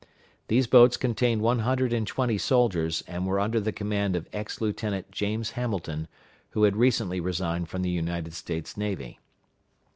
These boats contained one hundred and twenty soldiers, and were under the command of Ex lieutenant James Hamilton, who had recently resigned from the United States Navy.